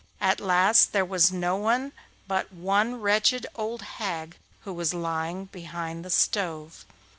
At last there was no one left but one wretched old hag who was lying behind the stove.